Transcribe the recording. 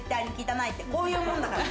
こういうもんだから。